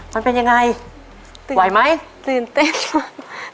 มันเป็นยังไงตื่นไหวไหมตื่นเต้นมาก